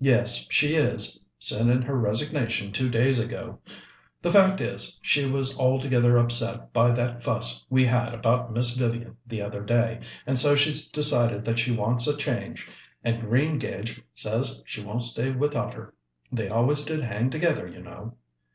"Yes, she is. Sent in her resignation two days ago. The fact is, she was altogether upset by that fuss we had about Miss Vivian the other day, and so she's decided that she wants a change. And Greengage says she won't stay without her. They always did hang together, you know."